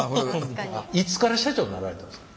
いつから社長になられたんですか？